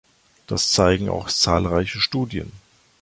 Das zeigen auch zahlreiche Studien.